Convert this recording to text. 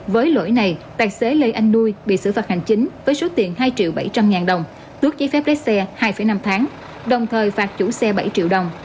với lỗi này tài xế lê anh nuôi bị xử phạt hành chính với số tiền hai triệu bảy trăm linh ngàn đồng tước giấy phép lái xe hai năm tháng đồng thời phạt chủ xe bảy triệu đồng